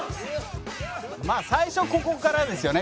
最初ここからですよね。